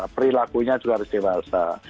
perilakunya juga harus dewasa